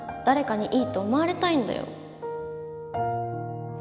誰かにいいと思われたいんだよ。